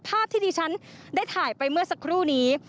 ภาพที่ดิฉันได้ถ่ายไปเมื่อสักครู่นี้